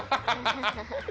ハハハハ！